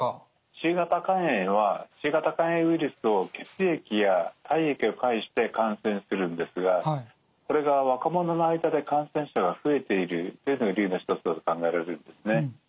Ｃ型肝炎はＣ型肝炎ウイルスを血液や体液を介して感染するんですがそれが若者の間で感染者が増えているっていうのが理由の一つだと考えられるんですね。